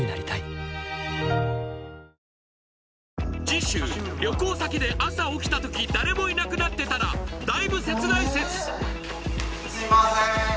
次週旅行先で朝起きた時誰もいなくなってたらだいぶ切ない説すいません